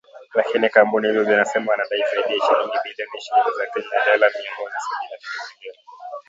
Lakini kampuni hizo zinasema wanadai zaidi ya shilingi bilioni ishirini za Kenya (dolla mia moja sabini na tatu milioni).